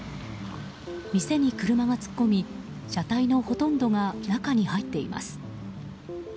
店に車が突っ込み車体のほとんどが中に入っています。